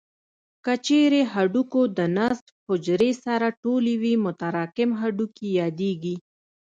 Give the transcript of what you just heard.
که چیرې هډوکو د نسج حجرې سره ټولې وي متراکم هډوکي یادېږي.